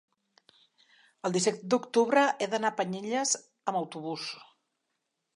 el disset d'octubre he d'anar a Penelles amb autobús.